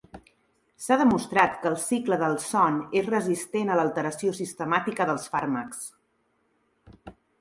S'ha demostrat que el cicle del son és resistent a l'alteració sistemàtica dels fàrmacs.